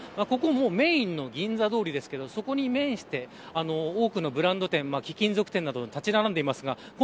メーンの銀座通ですがそこに面して多くのブランド店貴金属店などが立ち並んでいます。